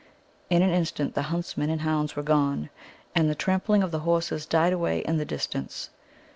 In an instant the huntsmen and hounds were gone, and the trampling of the horses died away in the distance.